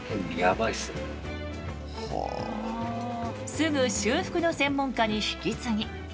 すぐ修復の専門家に引き継ぎ。